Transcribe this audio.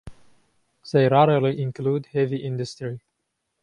They rarely include heavy industry.